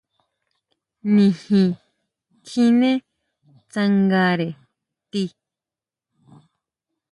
Nijin kjine tsangare tii.